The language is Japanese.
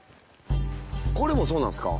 これもそうなんすか？